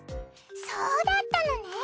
そうだったのね！